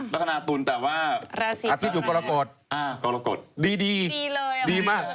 ละครานาตุ๋นแต่ว่าอาทิตยุกรกฎอ่ากรกฎดีดีดีเลยดีมาก